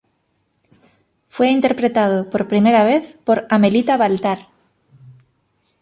Fue interpretado por primera vez por Amelita Baltar.